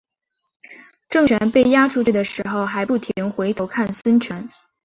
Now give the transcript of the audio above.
郑泉被押出去的时候还不停回头看孙权。